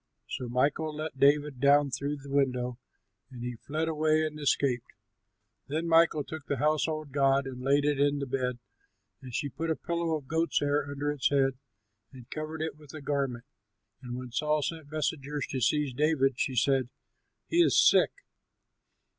So Michal let David down through the window; and he fled away and escaped. Then Michal took the household god and laid it in the bed, and she put a pillow of goat's hair under its head and covered it with a garment. And when Saul sent messengers to seize David, she said, "He is sick."